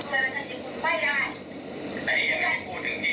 เพราะฉะนั้นคุณจะบอกว่าคุณไม่เขียวไม่ได้